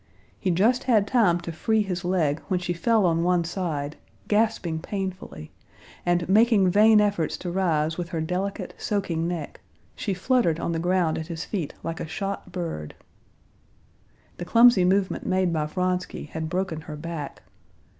He just had time to free his leg when she fell on one side, gasping painfully, and, making vain efforts to rise with her delicate, soaking neck, she fluttered on the ground at his feet like a shot bird. The clumsy movement made by Vronsky had broken her back.